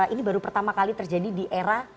ini baru pertama kali terjadi di era